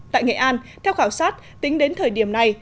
tại nghệ an theo khảo sát tính đến thời điểm này